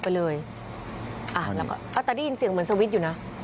แต่ได้ยินเสียงเหมือนสวิตช์อยู่นะ